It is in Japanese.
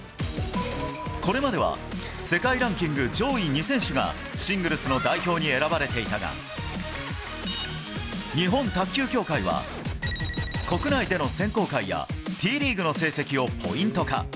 これまでは世界ランキング上位２選手が、シングルスの代表に選ばれていたが、日本卓球協会は、国内での選考会やＴリーグの成績をポイント化。